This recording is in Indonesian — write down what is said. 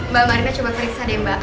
mbak marina coba periksa deh mbak